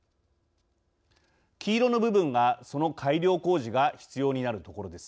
黄色の部分がその改良工事が必要になる所です。